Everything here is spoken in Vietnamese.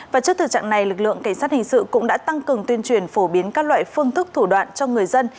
và trước thực trạng này lực lượng cảnh sát hình sự cũng đã tăng cường tuyên truyền phổ biến các loại phương thức thủ đoạn cho người dân